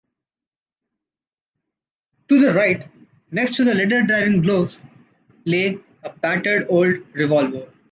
To the right, next to leather driving gloves, lay a battered old revolver.